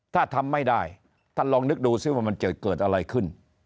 ถ้าทำไม่ได้ท่านลองนึกดูซิว่ามันจะเกิดอะไรขึ้น